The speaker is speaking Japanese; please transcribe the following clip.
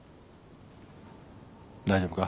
大丈夫か？